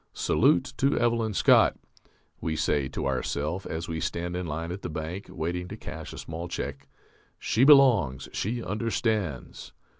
Salute to Evelyn Scott! (we say to ourself as we stand in line at the bank, waiting to cash a small check). _She belongs, she understands.